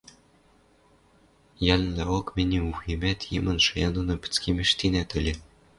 йӓлӹнлӓок мӹньӹн вуемӓт «йымын» шая доно пӹцкемӹштенӓт ыльы...